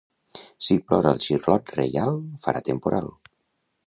Si plora el xirlot reial, farà temporal.